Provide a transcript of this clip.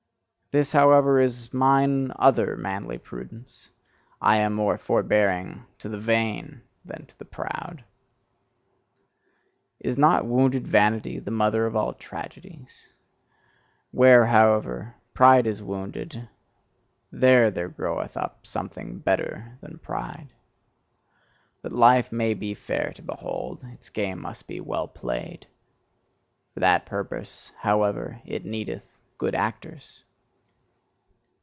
This, however, is mine other manly prudence: I am more forbearing to the VAIN than to the proud. Is not wounded vanity the mother of all tragedies? Where, however, pride is wounded, there there groweth up something better than pride. That life may be fair to behold, its game must be well played; for that purpose, however, it needeth good actors.